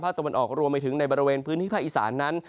ตะวันออกรวมไปถึงในบริเวณพื้นที่ภาคอีสานนั้น